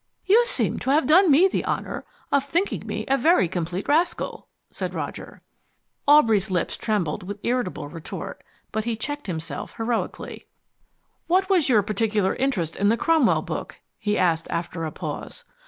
"You seem to have done me the honour of thinking me a very complete rascal," said Roger. Aubrey's lips trembled with irritable retort, but he checked himself heroically. "What was your particular interest in the Cromwell book?" he asked after a pause.